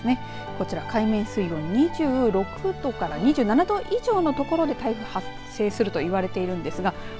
こちら海面水温２６度から２７度以上のところで台風発生するといわれているんですが。